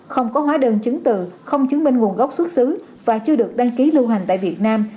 không có hóa đơn chứng từ không chứng minh nguồn gốc xuất xứ và chưa được đăng ký lưu hành tại việt nam